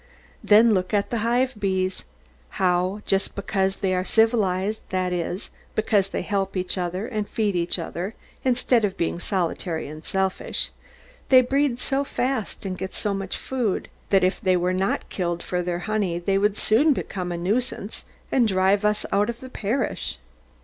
Then look at the hive bees, how, just because they are civilised, that is, because they help each other, and feed each other, instead of being solitary and selfish, they breed so fast, and get so much food, that if they were not killed for their honey, they would soon become a nuisance, and drive us out of the parish.